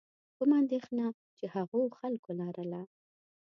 کومه اندېښنه چې هغو خلکو لرله.